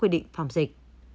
định phòng dịch